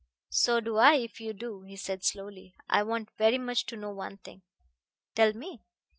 "So do I, if you do," he said slowly. "I want very much to know one thing." "Tell me."